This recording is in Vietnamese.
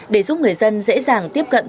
để giúp người dân dễ dàng tiếp cận